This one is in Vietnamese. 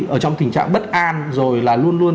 ở trong tình trạng bất an rồi là luôn